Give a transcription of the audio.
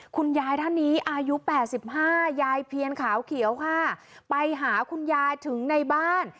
คุณยายท่านนี้อายุ๘๕ยายเพียงขาวเขียวค่ะ